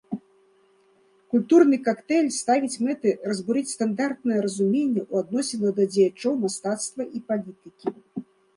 Культурны кактэйль ставіць мэтай разбурыць стандартнае разуменне ў адносінах да дзеячаў мастацтва і палітыкі.